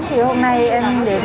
thì hôm nay em đến